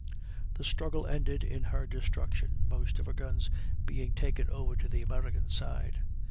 The struggle ended in her destruction, most of her guns being taken over to the American side.